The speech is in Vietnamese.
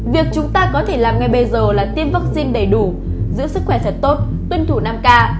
việc chúng ta có thể làm ngay bây giờ là tiêm vaccine đầy đủ giữ sức khỏe thật tốt tuân thủ năm k